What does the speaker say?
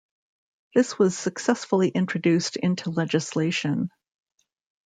This was successfully introduced into legislation.